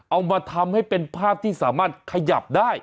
เอามาทำให้เป็นภาพที่สามารถขยับได้